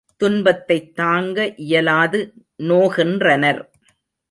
துன்பத்தைத் தாங்க இயலாது நோகின்றனர்.